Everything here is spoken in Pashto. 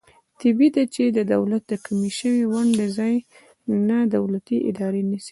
طبعي ده چې د دولت د کمې شوې ونډې ځای نا دولتي ادارې نیسي.